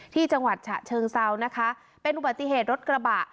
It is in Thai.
จังหวัดฉะเชิงเซานะคะเป็นอุบัติเหตุรถกระบะ